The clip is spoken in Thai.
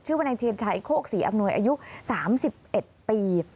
ชื่อวันนายเทียนชัยโฆกษีอำนวยอายุ๓๑ปี